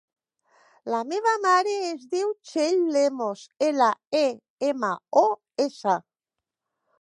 La meva mare es diu Txell Lemos: ela, e, ema, o, essa.